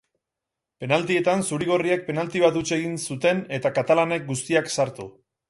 Penaltietan zuri-gorriek penalti bat huts egin zuten eta katalanek guztiak sartu.